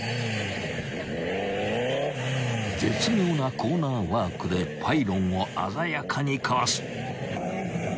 ［絶妙なコーナーワークでパイロンを鮮やかにかわす］